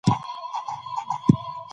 چي پخپله په مشکل کي ګرفتار وي